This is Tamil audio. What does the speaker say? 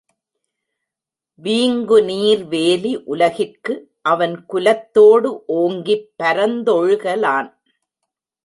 வீங்குநீர் வேலி உலகிற்கு அவன் குலத்தோடு ஓங்கிப் பரந்தொழுக லான்.